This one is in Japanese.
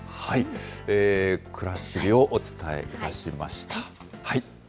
くらしりをお伝えいたしました。